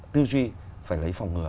tư duy phải lấy phòng ngừa